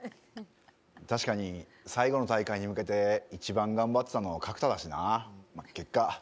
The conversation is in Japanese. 確かに、最後の大会に向けて一番頑張ってたの角田だもんな。